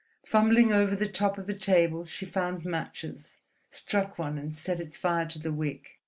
Fumbling over the top of the table, she found matches, struck one, and set its fire to the wick.